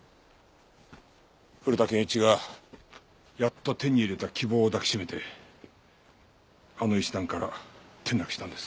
古田憲一はやっと手に入れた希望を抱き締めてあの石段から転落したんです。